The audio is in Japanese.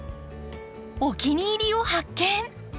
お気に入りを発見。